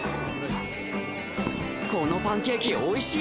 このパンケーキおいしい。